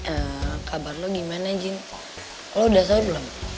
eh kabar lo gimana jin lo udah sahur belum